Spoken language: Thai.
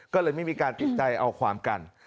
ก็เลยไม่มีการติดใจเอาความกัน